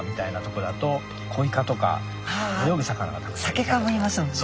サケ科もいますもんね